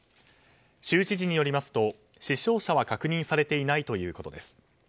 州知事によりますと、死傷者は確認されていないということです。